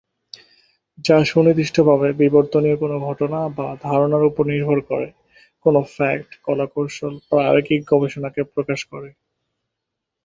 যা সুনির্দিষ্টভাবে বিবর্তনীয় কোনো ঘটনা বা ধারণার উপর নির্ভর করে, কোনো ফ্যাক্ট, কলাকৌশল, প্রায়োগিক গবেষণাকে প্রকাশ করে।